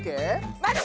待って！